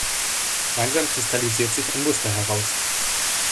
Langsam kristallisiert sich ein Muster heraus.